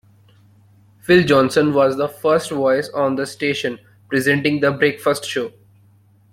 Phil Johnson was the first voice on the station presenting the Breakfast Show.